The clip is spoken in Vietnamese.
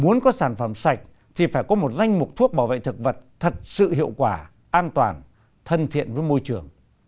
muốn có sản phẩm sạch thì phải có một danh mục thuốc bảo vệ thực vật thật sự hiệu quả an toàn thân thiện với môi trường